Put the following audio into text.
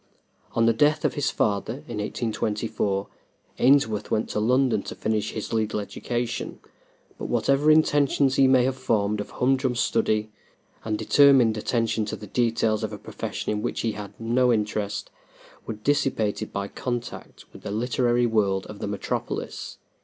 On the death of his father, in 1824, Ainsworth went to London to finish his legal education, but whatever intentions he may have formed of humdrum study and determined attention to the details of a profession in which he had no interest, were dissipated by contact with the literary world of the metropolis.